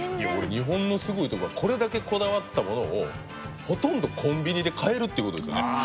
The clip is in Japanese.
日本のすごいとこはこれだけこだわったものをほとんどコンビニで買えるって事ですよね。